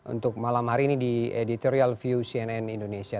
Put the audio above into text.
untuk malam hari ini di editorial view cnn indonesia